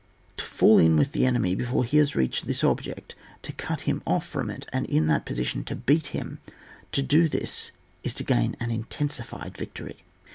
To fall in with the euQmy before he has reached this object, to cut him off from it, and in that position to beat him — to do this is to gain an intensified victory.